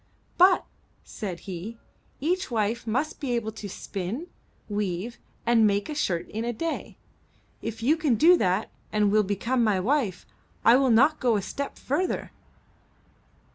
But,*' said he, each wife must be able to spin, weave, and make a shirt in a day. If you can do that and will become my wife, I will not go a step farther."